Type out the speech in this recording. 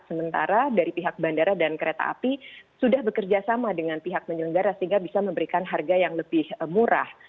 sementara dari pihak bandara dan kereta api sudah bekerja sama dengan pihak penyelenggara sehingga bisa memberikan harga yang lebih murah